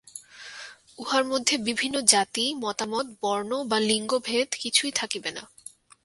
উহার মধ্যে বিভিন্ন জাতি, মতামত, বর্ণ বা লিঙ্গভেদ কিছু থাকিবে না।